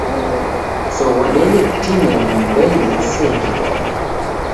Soghodenyi kutineri mbenyu usee kidombo.